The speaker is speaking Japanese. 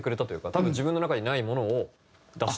多分自分の中にないものを出してくれたというか。